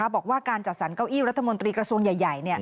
บอกว่าการจัดสรรเก้าอี้รัฐมนตรีกระทรวงใหญ่